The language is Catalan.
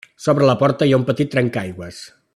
Sobre la porta hi ha un petit trencaaigües.